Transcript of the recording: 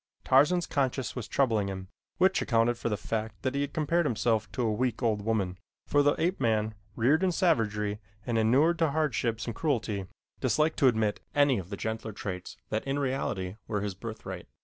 Tarzan's conscience was troubling him, which accounted for the fact that he compared himself to a weak, old woman, for the ape man, reared in savagery and inured to hardships and cruelty, disliked to admit any of the gentler traits that in reality were his birthright.